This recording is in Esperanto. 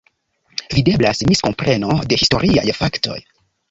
Videblas miskompreno de historiaj faktoj.